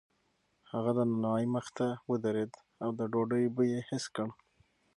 هغه د نانوایۍ مخې ته ودرېد او د ډوډۍ بوی یې حس کړ.